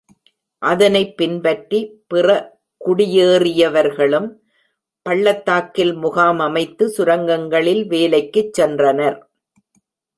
அதனைப் பின்பற்றி பிற குடியேறியவர்களும் பள்ளத்தாக்கில் முகாம் அமைத்து சுரங்கங்களில் வேலைக்குச் சென்றனர்.